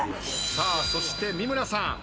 さあそして三村さん。